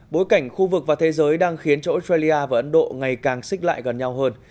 bối cảnh khu vực và thế giới đang khiến cho australia và ấn độ ngày càng xích lại gần nhau hơn